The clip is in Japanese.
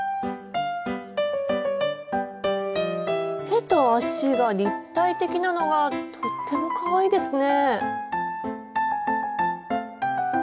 手と足が立体的なのがとってもかわいいですね！